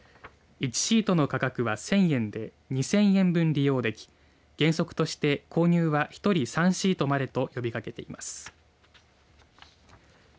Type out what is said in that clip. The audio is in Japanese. １シートの価格は１０００円で２０００円分利用でき原則として購入は１人３シートまでと呼びかけています。